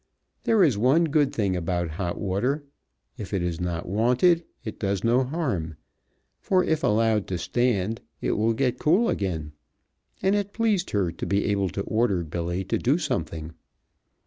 There is one good thing about hot water if it is not wanted it does no harm, for if allowed to stand it will get cool again and it pleased her to be able to order Billy to do something.